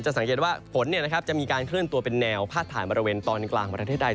สังเกตว่าฝนจะมีการเคลื่อนตัวเป็นแนวพาดผ่านบริเวณตอนกลางประเทศไทย